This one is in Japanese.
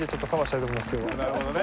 なるほどね。